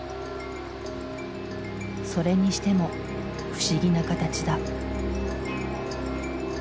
それにしても不思議な形だ。